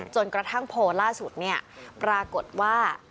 จนกระทั่งโพลล่าสุดเนี่ยปรากฏว่า